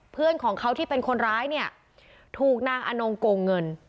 เพื่อนของเขาที่เป็นคนร้ายเนี่ยถูกนางอนงโกงเงิน